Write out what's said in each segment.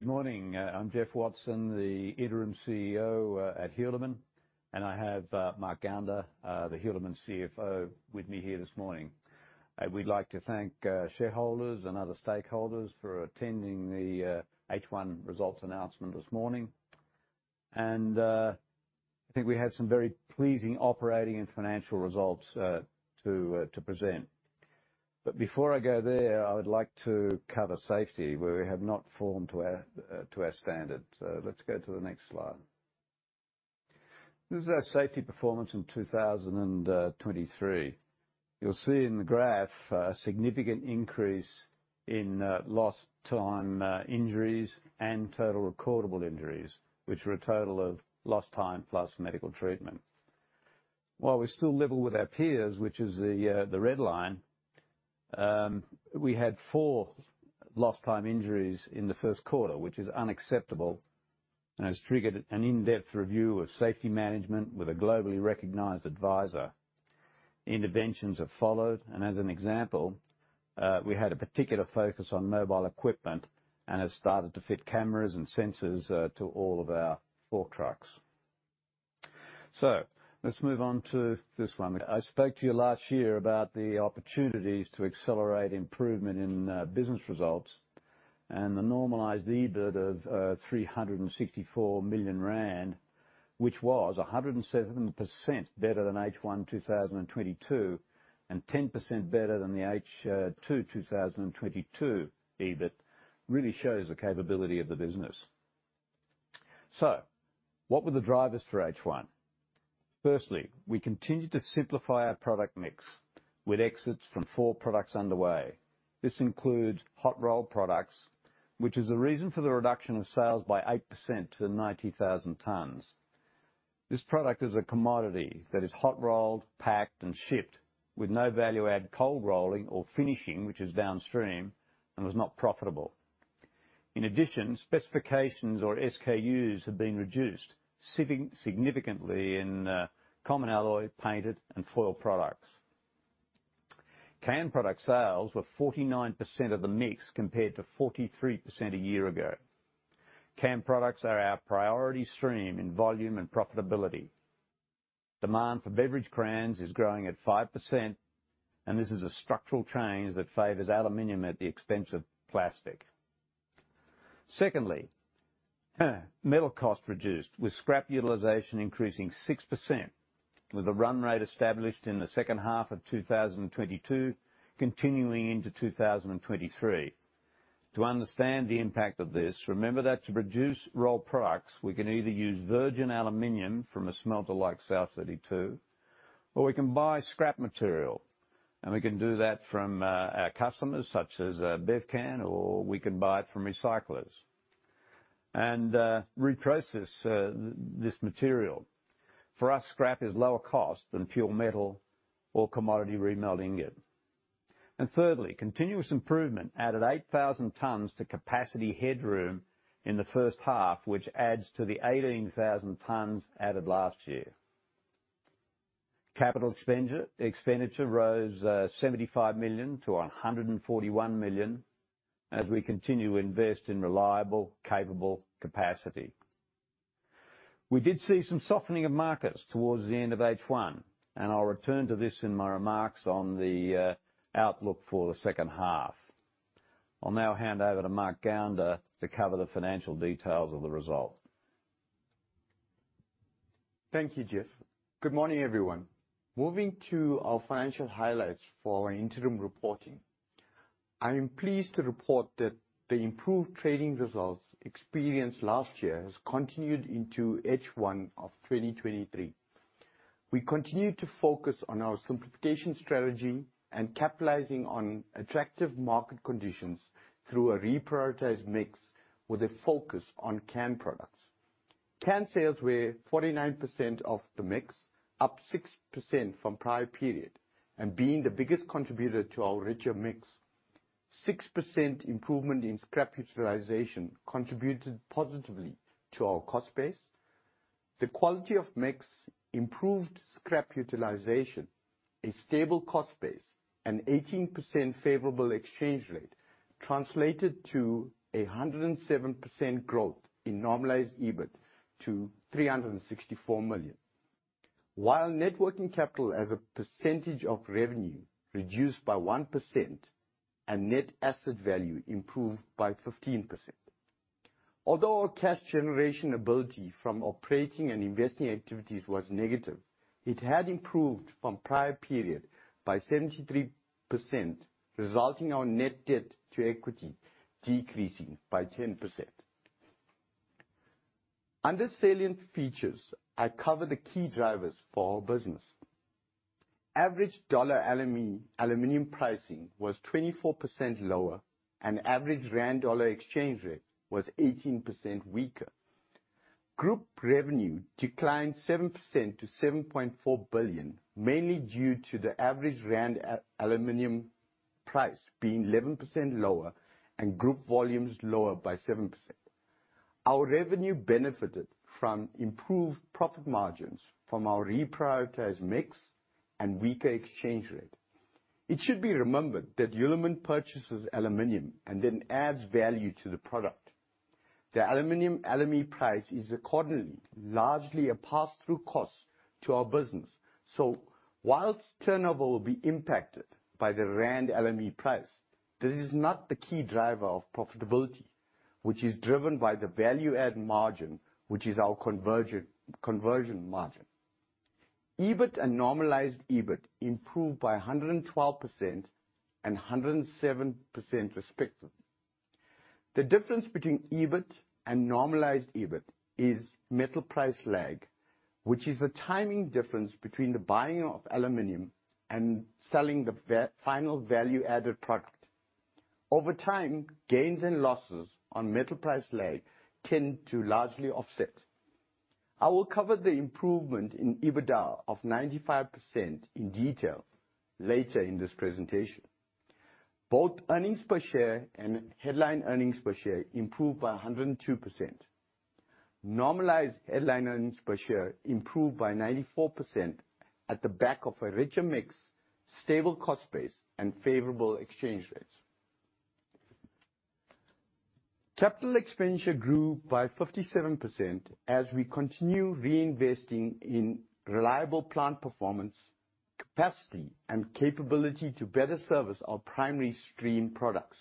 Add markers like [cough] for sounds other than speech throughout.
Good morning, I'm Geoff Watson, the Interim CEO at Hulamin, and I have Mark Gounder, the Hulamin CFO, with me here this morning. We'd like to thank shareholders and other stakeholders for attending the H1 results announcement this morning. I think we had some very pleasing operating and financial results to present. Before I go there, I would like to cover safety where we have not performed to our standard. Let's go to the next slide. This is our safety performance in 2023. You'll see in the graph a significant increase in lost time injuries and total recordable injuries, which were a total of lost time plus medical treatment. While we still level with our peers, which is the red line, we had four lost time injuries in the first quarter, which is unacceptable and has triggered an in-depth review of safety management with a globally recognized advisor. Interventions have followed, and as an example, we had a particular focus on mobile equipment and have started to fit cameras and sensors to all of our fork trucks. Let's move on to this one. I spoke to you last year about the opportunities to accelerate improvement in business results and the normalized EBIT of 364 million rand, which was 107% better than H1 2022 and 10% better than the H2 2022 EBIT, really shows the capability of the business. What were the drivers for H1? Firstly, we continued to simplify our product mix with exits from four products underway. This includes hot rolled products, which is the reason for the reduction of sales by 8% to 90,000 tons. This product is a commodity that is hot rolled, packed and shipped with no value added cold rolling or finishing, which is downstream and was not profitable. In addition, specifications or SKUs have been reduced significantly in common alloy, painted and foil products. Canned product sales were 49% of the mix, compared to 43% a year ago. Canned products are our priority stream in volume and profitability. Demand for beverage crowns is growing at 5%, and this is a structural change that favors aluminum at the expense of plastic. Secondly, metal cost reduced with scrap utilization increasing 6% with a run rate established in the second half of 2022 continuing into 2023. To understand the impact of this, remember that to produce rolled products, we can either use virgin aluminum from a smelter like South32, or we can buy scrap material. We can do that from our customers such as Bevcan, or we can buy it from recyclers and reprocess this material. For us, scrap is lower cost than pure metal or commodity remelt ingot. Thirdly, continuous improvement added 8,000 tons to capacity headroom in the first half, which adds to the 18,000 tons added last year. Capital expenditure rose 75 million to 141 million as we continue to invest in reliable, capable capacity. We did see some softening of markets towards the end of H1, and I'll return to this in my remarks on the outlook for the second half. I'll now hand over to Mark Gounder to cover the financial details of the result. Thank you, Geoff. Good morning, everyone. Moving to our financial highlights for our interim reporting. I am pleased to report that the improved trading results experienced last year has continued into H1 2023. We continue to focus on our simplification strategy and capitalizing on attractive market conditions through a reprioritized mix with a focus on canned products. Can sales were 49% of the mix, up 6% from prior period and being the biggest contributor to our richer mix. 6% improvement in scrap utilization contributed positively to our cost base. The quality of mix, improved scrap utilization, a stable cost base, and 18% favorable exchange rate translated to 107% growth in normalized EBIT to 364 million. While working capital as a percentage of revenue reduced by 1% and net asset value improved by 15%. Although our cash generation ability from operating and investing activities was negative, it had improved from prior period by 73%, resulting in our net debt to equity decreasing by 10%. Under salient features, I cover the key drivers for our business. Average dollar aluminum pricing was 24% lower, and average rand dollar exchange rate was 18% weaker. Group revenue declined 7% to 7.4 billion, mainly due to the average rand aluminum price being 11% lower and group volumes lower by 7%. Our revenue benefited from improved profit margins from our reprioritized mix and weaker exchange rate. It should be remembered that Hulamin purchases aluminum and then adds value to the product. The aluminum LME price is accordingly largely a pass-through cost to our business. While turnover will be impacted by the rand LME price, this is not the key driver of profitability, which is driven by the value-added margin, which is our conversion margin. EBIT and normalized EBIT improved by 112% and 107% respectively. The difference between EBIT and normalized EBIT is metal price lag, which is a timing difference between the buying of aluminum and selling the value-added product. Over time, gains and losses on metal price lag tend to largely offset. I will cover the improvement in EBITDA of 95% in detail later in this presentation. Both earnings per share and headline earnings per share improved by 102%. Normalized headline earnings per share improved by 94% on the back of a richer mix, stable cost base, and favorable exchange rates. Capital expenditure grew by 57% as we continue reinvesting in reliable plant performance, capacity, and capability to better service our can stream products.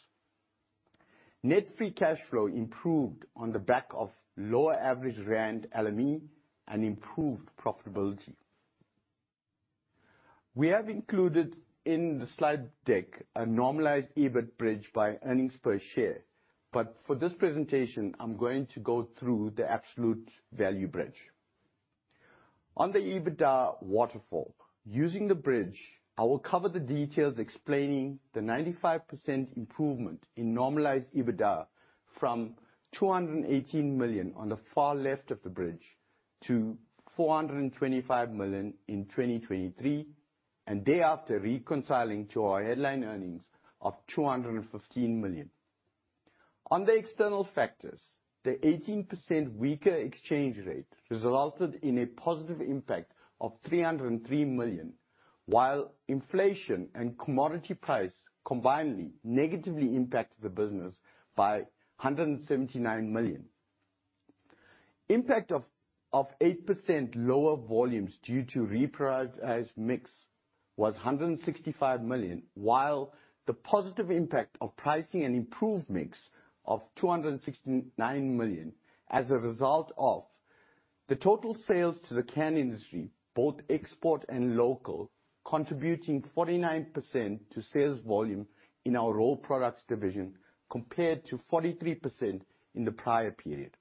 Net free cash flow improved on the back of lower average rand LME and improved profitability. We have included in the slide deck a normalized EBIT bridge by earnings per share. For this presentation, I'm going to go through the absolute value bridge. On the EBITDA waterfall, using the bridge, I will cover the details explaining the 95% improvement in normalized EBITDA from 218 million on the far left of the bridge to 425 million in 2023, and thereafter reconciling to our headline earnings of 215 million. On the external factors, the 18% weaker exchange rate resulted in a positive impact of 303 million, while inflation and commodity price combinedly negatively impacted the business by 179 million. Impact of 8% lower volumes due to reprioritized mix was 165 million, while the positive impact of pricing and improved mix of 269 million as a result of the total sales to the can industry, both export and local, contributing 49% to sales volume in our Rolled Products division, compared to 43% in the prior period.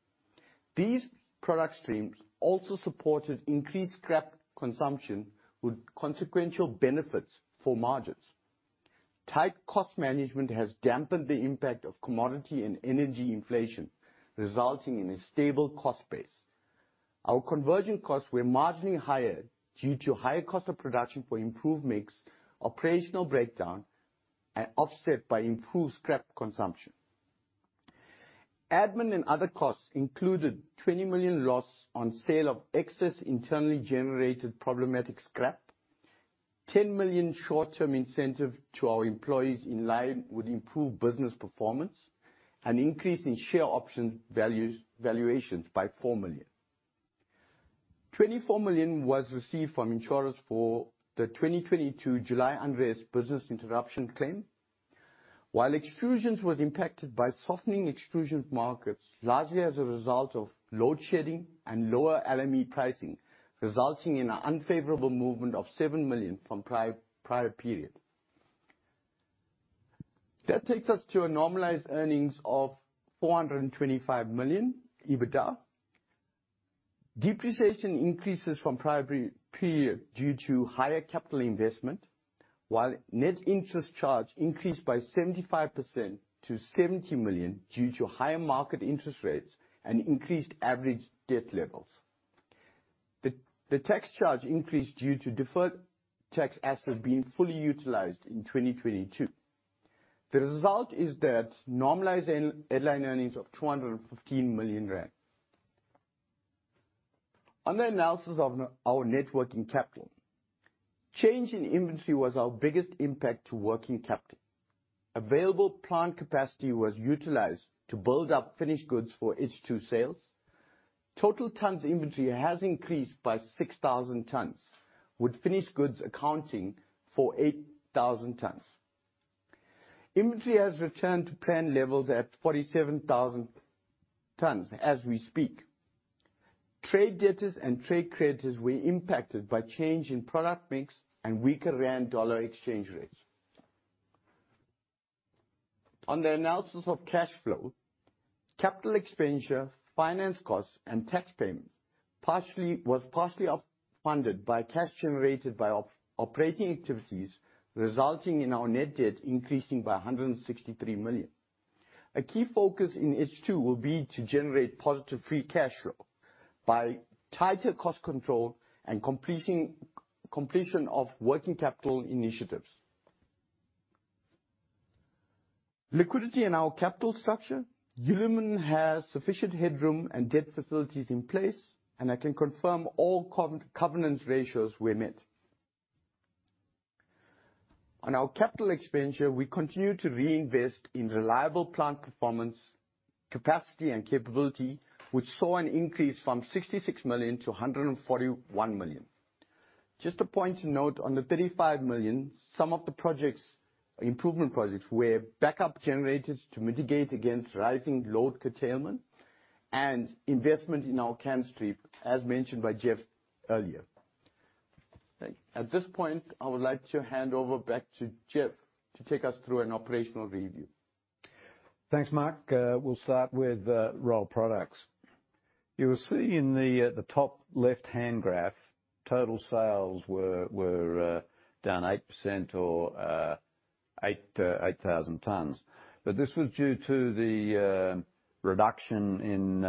These product streams also supported increased scrap consumption with consequential benefits for margins. Tight cost management has dampened the impact of commodity and energy inflation, resulting in a stable cost base. Our conversion costs were marginally higher due to higher cost of production for improved mix, operational breakdown, and offset by improved scrap consumption. Admin and other costs included 20 million loss on sale of excess internally generated problematic scrap, 10 million short-term incentive to our employees in line with improved business performance, an increase in share option valuations by 4 million. 24 million was received from insurers for the 2022 July unrest business interruption claim. While extrusions was impacted by softening extrusion markets, largely as a result of load shedding and lower LME pricing, resulting in an unfavorable movement of 7 million from prior period. That takes us to a normalized earnings of 425 million EBITDA. Depreciation increases from prior period due to higher capital investment, while net interest charge increased by 75% to 70 million due to higher market interest rates and increased average debt levels. The tax charge increased due to deferred tax assets being fully utilized in 2022. The result is that normalized headline earnings of 215 million rand. On the analysis of our net working capital, change in inventory was our biggest impact to working capital. Available plant capacity was utilized to build up finished goods for H2 sales. Total tons inventory has increased by 6,000 tons, with finished goods accounting for 8,000 tons. Inventory has returned to planned levels at 47,000 tons as we speak. Trade debtors and trade creditors were impacted by change in product mix and weaker rand-dollar exchange rates. On the analysis of cash flow, capital expenditure, finance costs, and tax payments were partially off-funded by cash generated by operating activities, resulting in our net debt increasing by 163 million. A key focus in H2 will be to generate positive free cash flow by tighter cost control and completion of working capital initiatives. Liquidity in our capital structure, Hulamin has sufficient headroom and debt facilities in place, and I can confirm all covenants ratios were met. On our capital expenditure, we continue to reinvest in reliable plant performance, capacity, and capability, which saw an increase from 66 million to 141 million. Just a point to note, on the 35 million, some of the projects, improvement projects were backup generators to mitigate against rising load curtailment and investment in our can stream, as mentioned by Geoff earlier. Thank you. At this point, I would like to hand over back to Geoff to take us through an operational review. Thanks, Mark. We'll start with raw products. You will see in the top left-hand graph, total sales were down 8% or 8,000 tons. This was due to the reduction in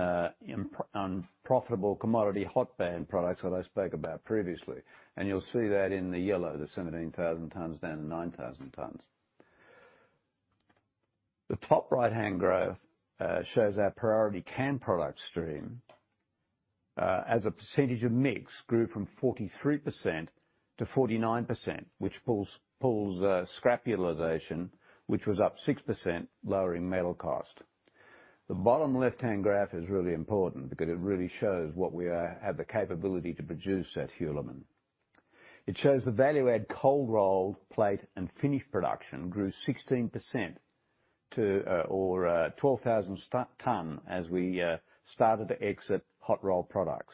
non-profitable commodity hot band products that I spoke about previously. You'll see that in the yellow, the 17,000 tons down to 9,000 tons. The top right-hand graph shows our priority can stream products. As a percentage of mix grew from 43% to 49%, which pulls scrap utilization, which was up 6%, lowering metal cost. The bottom left-hand graph is really important because it really shows what we have the capability to produce at Hulamin. It shows the value-add cold rolled plate and finished production grew 16% or 12,000 tons as we started to exit hot rolled products.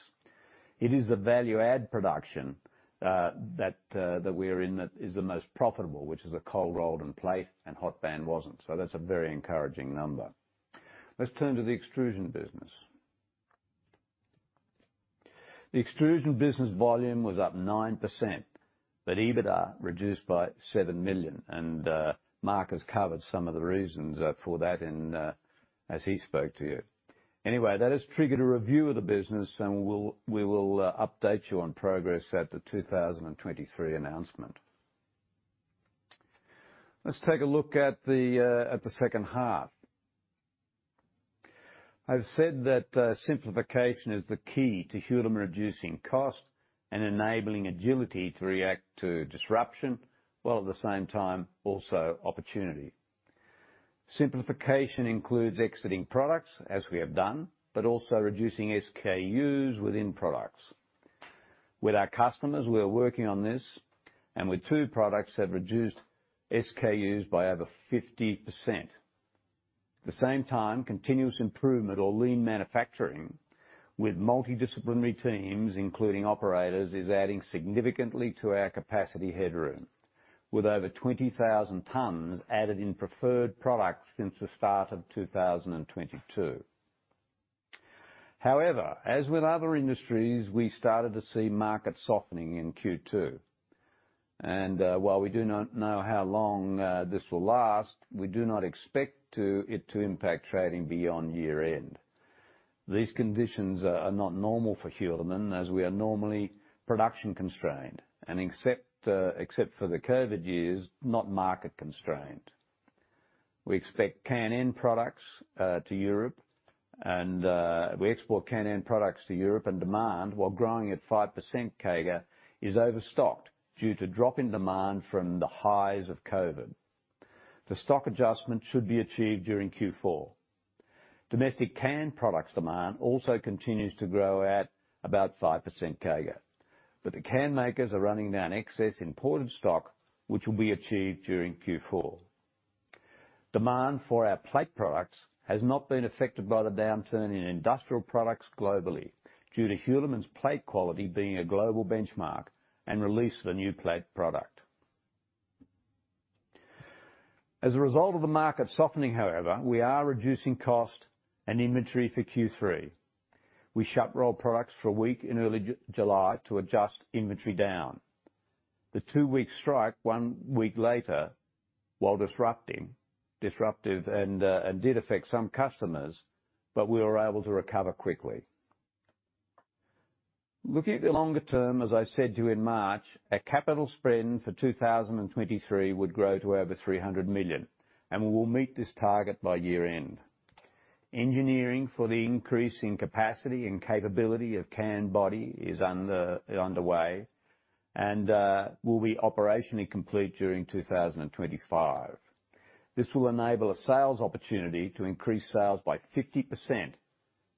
It is the value-add production that we're in that is the most profitable, which is a cold rolled and plate, and hot band wasn't, so that's a very encouraging number. Let's turn to the extrusion business. The extrusion business volume was up 9%, but EBITDA reduced by 7 million. Mark has covered some of the reasons for that as he spoke to you. Anyway, that has triggered a review of the business, and we will update you on progress at the 2023 announcement. Let's take a look at the second half. I've said that simplification is the key to Hulamin reducing cost and enabling agility to react to disruption, while at the same time also opportunity. Simplification includes exiting products, as we have done, but also reducing SKUs within products. With our customers, we are working on this, and with two products we have reduced SKUs by over 50%. At the same time, continuous improvement or lean manufacturing with multidisciplinary teams, including operators, is adding significantly to our capacity headroom, with over 20,000 tons added in preferred products since the start of 2022. However, as with other industries, we started to see market softening in Q2. While we do not know how long this will last, we do not expect it to impact trading beyond year-end. These conditions are not normal for Hulamin, as we are normally production constrained, and except for the COVID years, not market constrained. We export can-end products to Europe and demand, while growing at 5% CAGR, is overstocked due to drop in demand from the highs of COVID. The stock adjustment should be achieved during Q4. Domestic can products demand also continues to grow at about 5% CAGR, but the can makers are running down excess imported stock, which will be achieved during Q4. Demand for our plate products has not been affected by the downturn in industrial products globally, due to Hulamin's plate quality being a global benchmark and release of a new plate product. As a result of the market softening, however, we are reducing cost and inventory for Q3. We shut Rolled Products for a week in early July to adjust inventory down. The two-week strike one week later, while disruptive, did affect some customers, but we were able to recover quickly. Looking at the longer term, as I said to you in March, our capital spend for 2023 would grow to over 300 million, and we will meet this target by year-end. Engineering for the increase in capacity and capability of can-body is underway and will be operationally complete during 2025. This will enable a sales opportunity to increase sales by 50%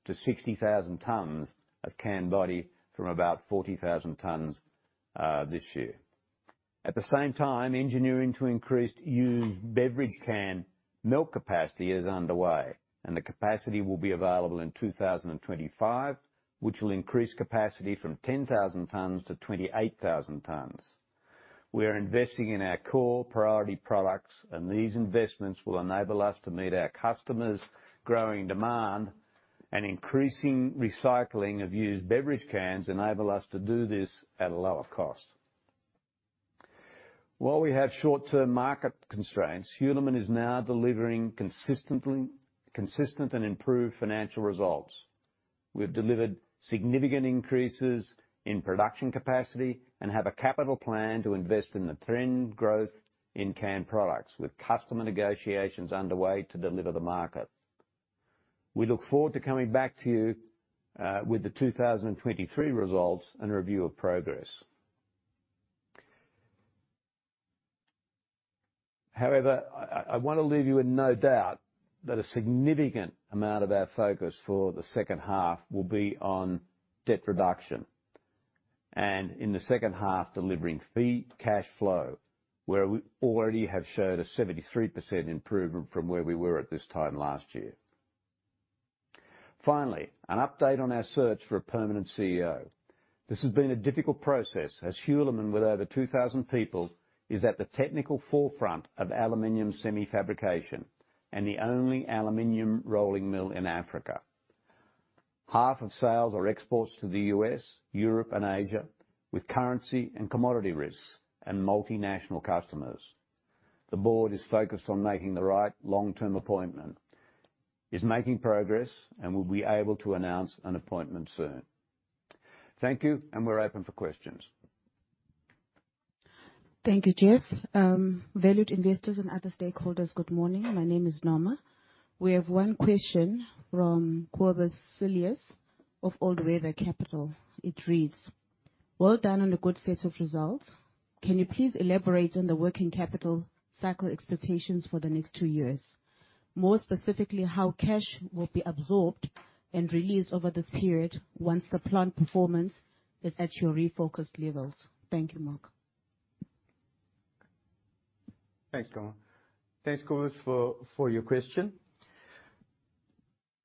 to 60,000 tons of can-body from about 40,000 tons this year. At the same time, expansion to increased used beverage can melt capacity is underway, and the capacity will be available in 2025, which will increase capacity from 10,000 tons to 28,000 tons. We are investing in our core priority products, and these investments will enable us to meet our customers' growing demand and increasing recycling of used beverage cans enable us to do this at a lower cost. While we have short-term market constraints, Hulamin is now delivering consistently and improved financial results. We've delivered significant increases in production capacity and have a capital plan to invest in the trend growth in canned products with customer negotiations underway to deliver the market. We look forward to coming back to you with the 2023 results and review of progress. However, I wanna leave you in no doubt that a significant amount of our focus for the second half will be on debt reduction and in the second half, delivering free cash flow, where we already have showed a 73% improvement from where we were at this time last year. Finally, an update on our search for a permanent CEO. This has been a difficult process, as Hulamin, with over 2,000 people, is at the technical forefront of aluminum semi-fabrication and the only aluminum rolling mill in Africa. Half of sales are exports to the U.S., Europe and Asia, with currency and commodity risks and multinational customers. The board is focused on making the right long-term appointment, is making progress, and will be able to announce an appointment soon. Thank you, and we're open for questions. Thank you, Geoff. Valued investors and other stakeholders, good morning. My name is [Norma]. We have one question from Cobus Cilliers of All Weather Capital. It reads: Well done on a good set of results. Can you please elaborate on the working capital cycle expectations for the next two years? More specifically, how cash will be absorbed and released over this period once the plant performance is at your refocused levels. Thank you, Mark. Thanks, [Norma]. Thanks, Cobus, for your question.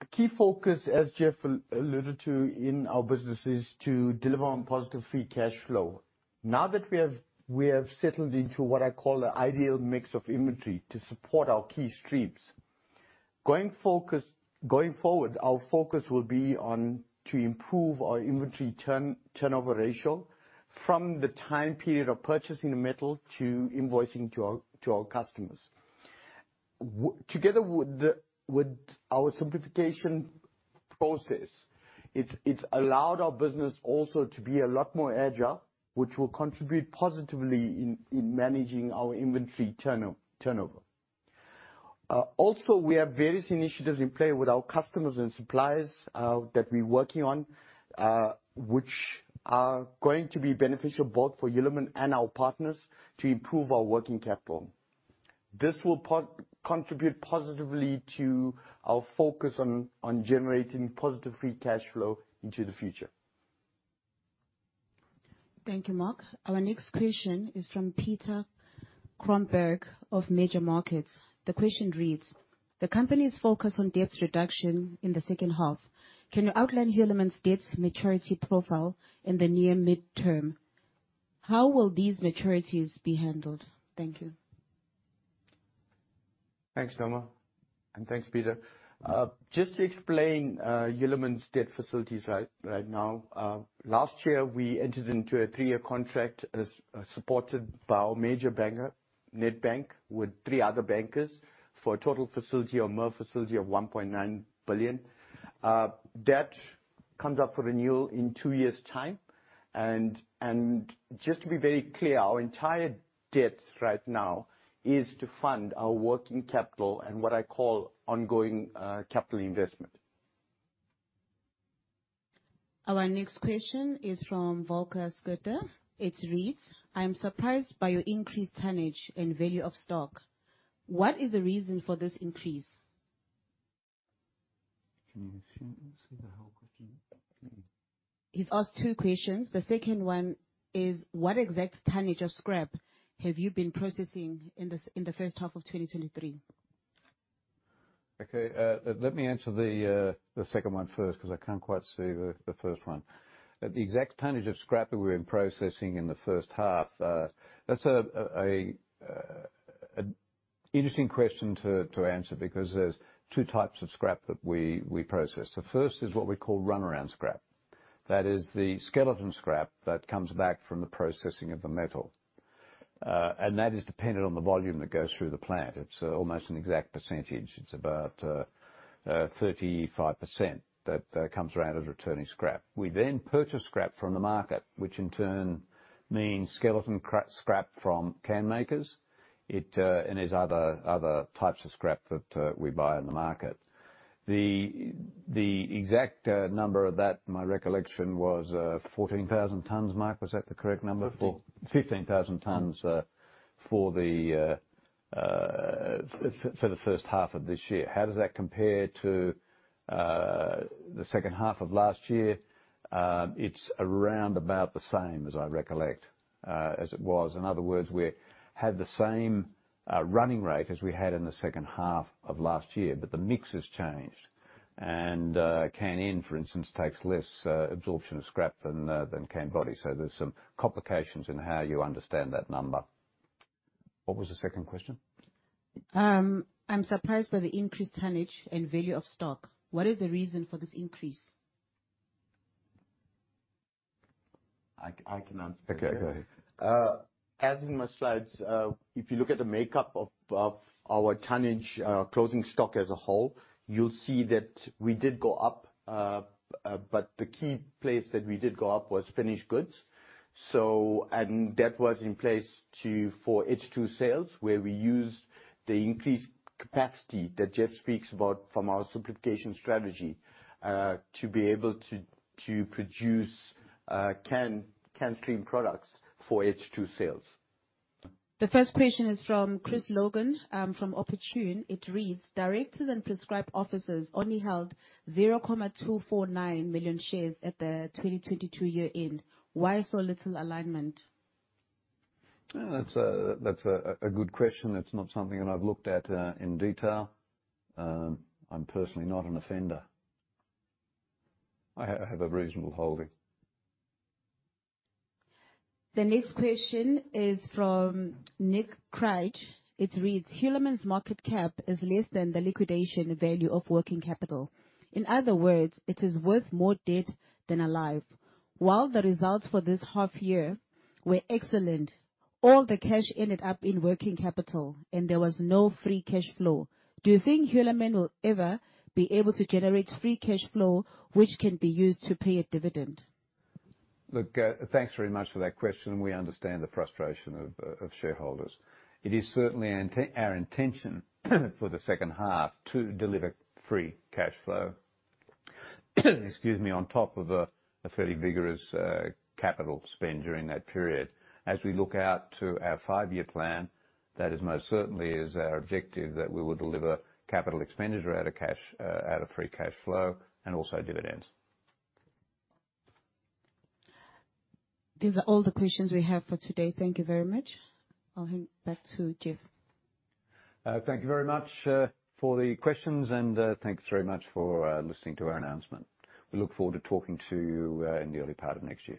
A key focus, as Geoff alluded to in our business, is to deliver on positive free cash flow. Now that we have settled into what I call an ideal mix of inventory to support our key streams, going forward, our focus will be on to improve our inventory turnover ratio from the time period of purchasing the metal to invoicing to our customers. Together with our simplification process, it's allowed our business also to be a lot more agile, which will contribute positively in managing our inventory turnover. Also, we have various initiatives in play with our customers and suppliers that we're working on, which are going to be beneficial both for Hulamin and our partners to improve our working capital. This will contribute positively to our focus on generating positive free cash flow into the future. Thank you, Mark. Our next question is from Peter [Cronberg] of Major Markets. The question reads: The company's focus on debt reduction in the second half. Can you outline Hulamin's debt maturity profile in the near mid-term? How will these maturities be handled? Thank you. Thanks, [Norma], and thanks, Peter. Just to explain, Hulamin's debt facilities right now. Last year, we entered into a three-year contract supported by our major banker, Nedbank, with three other bankers for a total merged facility of 1.9 billion. Debt comes up for renewal in two years time. Just to be very clear, our entire debt right now is to fund our working capital and what I call ongoing capital investment. Our next question is from [Volcas Goete]. It reads: I am surprised by your increased tonnage and value of stock. What is the reason for this increase? [audio distortion] He's asked two questions. The second one is, what exact tonnage of scrap have you been processing in the first half of 2023? Okay. Let me answer the second one first, 'cause I can't quite see the first one. The exact tonnage of scrap that we've been processing in the first half, that's an interesting question to answer because there's two types of scrap that we process. The first is what we call run-around scrap. That is the skeleton scrap that comes back from the processing of the metal. That is dependent on the volume that goes through the plant. It's almost an exact percentage. It's about 35% that comes around as returning scrap. We then purchase scrap from the market, which in turn means skeleton scrap from can makers, and there's other types of scrap that we buy on the market. The exact number of that, my recollection was 14,000 tons. Mark, was that the correct number for. [crosstalk] 15,000 tons for the first half of this year. How does that compare to the second half of last year? It's around about the same as I recollect as it was. In other words, we had the same running rate as we had in the second half of last year, but the mix has changed. Can-end, for instance, takes less absorption of scrap than can-body. There's some complications in how you understand that number. What was the second question? I'm surprised by the increased tonnage and value of stock. What is the reason for this increase? I can answer that. Okay, go ahead. As in my slides, if you look at the makeup of our tonnage closing stock as a whole, you'll see that we did go up, but the key place that we did go up was finished goods. That was in place for H2 sales, where we used the increased capacity that Geoff speaks about from our simplification strategy to be able to produce can stream products for H2 sales. The first question is from Chris Logan from Opportune. It reads: Directors and prescribed officers only held 0.249 million shares at the 2022 year-end. Why so little alignment? That's a good question. It's not something that I've looked at in detail. I'm personally not an offender. I have a reasonable holding. The next question is from Nick [Krige]. It reads: Hulamin's market cap is less than the liquidation value of working capital. In other words, it is worth more dead than alive. While the results for this half year were excellent, all the cash ended up in working capital and there was no free cash flow. Do you think Hulamin will ever be able to generate free cash flow, which can be used to pay a dividend? Look, thanks very much for that question. We understand the frustration of shareholders. It is certainly our intention for the second half to deliver free cash flow, excuse me, on top of a fairly vigorous capital spend during that period. As we look out to our five-year plan, that is most certainly our objective that we will deliver capital expenditure out of cash, out of free cash flow, and also dividends. These are all the questions we have for today. Thank you very much. I'll hand back to Geoff. Thank you very much for the questions and thanks very much for listening to our announcement. We look forward to talking to you in the early part of next year.